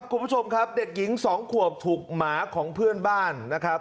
คุณผู้ชมครับเด็กหญิง๒ขวบถูกหมาของเพื่อนบ้านนะครับ